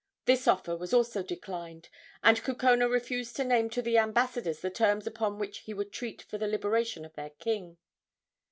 This offer was also declined, and Kukona refused to name to the ambassadors the terms upon which he would treat for the liberation of their king.